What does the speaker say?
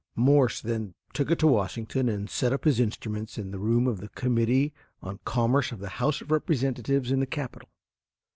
Morse then took it to Washington and set up his instruments in the room of the Committee on Commerce of the House of Representatives in the Capitol.